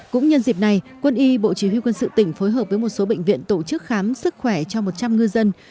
cũng nhân dịp này quân y bộ chỉ huy quân sự tỉnh phối hợp với một số bệnh viện tổ chức khám sức khỏe cho một trăm linh ngư dân